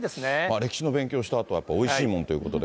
歴史の勉強をしたあとはやっぱりおいしいものということで、